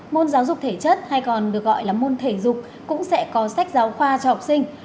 môn giáo dục thể chất hay còn được gọi là môn thể dục cũng sẽ có sách giáo khoa cho học sinh